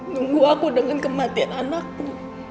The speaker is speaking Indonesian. nunggu aku dengan kematian anakku